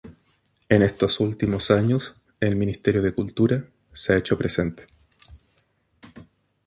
En estos últimos años, el ministerio de Cultura, se ha hecho presente.